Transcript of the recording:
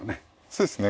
そうですね。